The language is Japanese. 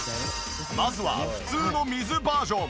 まずは普通の水バージョン。